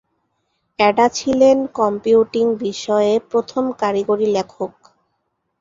Ada ছিলেন computing বিষয়ে প্রথম কারিগরি লেখক।